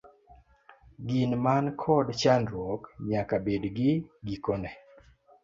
Gin man kod chakruok nyaka bed gi gikone.